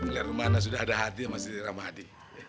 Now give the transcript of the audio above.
lihat rumana sudah ada hati sama si rahmadi